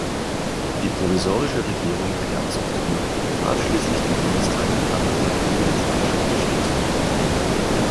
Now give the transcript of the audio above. Die provisorische Regierung der Herzogtümer bat schließlich den Bundestag in Frankfurt um militärische Unterstützung.